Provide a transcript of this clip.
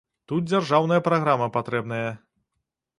Тут дзяржаўная праграма патрэбная.